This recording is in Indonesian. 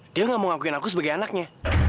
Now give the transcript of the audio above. dia gak mau ngakuin aku sebagai anaknya